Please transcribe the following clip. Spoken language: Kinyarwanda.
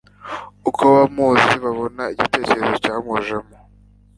Uko abamuzi babona igitekerezo cyamujemo